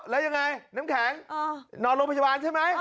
แล้วยังไงน้ำแข็งนอนโรงพยาบาลใช่ไหม